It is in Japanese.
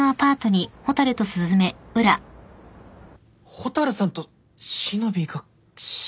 蛍さんとしのびぃが姉妹。